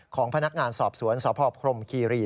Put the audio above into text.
ของพนักงานสอบสวนสพพรมคีรี